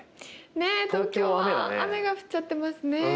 ねえ東京は雨が降っちゃってますね。